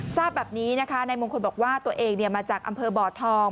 ทราบแบบนี้นะคะนายมงคลบอกว่าตัวเองมาจากอำเภอบ่อทอง